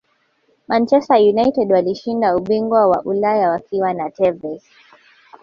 manchester united walishinda ubingwa wa ulaya wakiwa na tevez